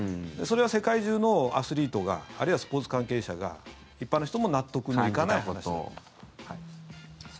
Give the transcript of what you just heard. それは世界中のアスリートがあるいはスポーツ関係者が一般の人も納得のいかないこと。